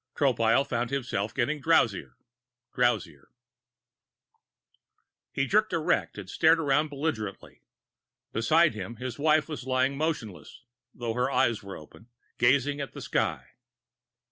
Tropile found himself getting drowsier, drowsier He jerked erect and stared around belligerently. Beside him, his wife was lying motionless, though her eyes were open, gazing at the sky.